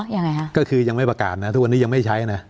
ยังไงฮะก็คือยังไม่ประกาศนะทุกวันนี้ยังไม่ใช้นะ